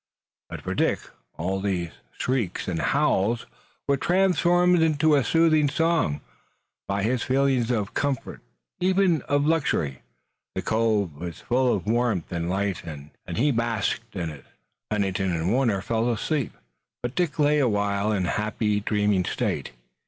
But for Dick all these shrieks and howls were transformed into a soothing song by his feeling of comfort, even of luxury. The cove was full of warmth and light and he basked in it. Pennington and Warner fell asleep, but Dick lay a while in a happy, dreaming state.